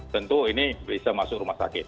tentu ini bisa masuk rumah sakit